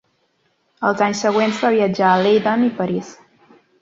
Els anys següents va viatjar a Leiden i París.